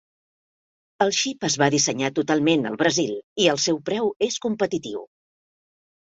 El xip es va dissenyar totalment al Brasil i el seu preu és competitiu.